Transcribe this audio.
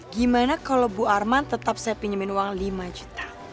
gimana kalau bu arman tetap saya pinjamin uang lima juta